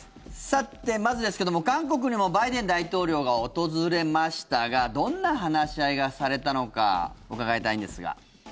さて、まずですけども韓国にもバイデン大統領が訪れましたがどんな話し合いがされたのか伺いたいのですが。